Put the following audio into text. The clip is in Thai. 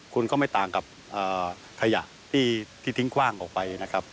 คุณก็ไม่ต่างกับขยะที่ทิ้งคว่างออกไปนะครับ